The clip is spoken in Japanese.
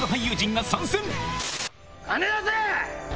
・金出せ！